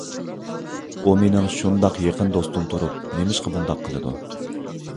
ئۇ مېنىڭ شۇنداق يېقىن دوستۇم تۇرۇپ، نېمىشقا بۇنداق قىلىدۇ؟